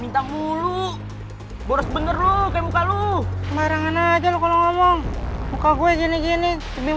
minta mulu boros bener lu kayak muka lu barang aja lu kalau ngomong muka gue gini gini lebih